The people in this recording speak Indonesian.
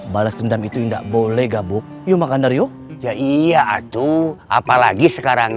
bales dendam itu enggak boleh gabung ya makandar ya ya iya atuh apalagi sekarang